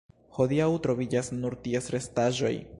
Hodiaŭ troviĝas nur ties restaĵoj.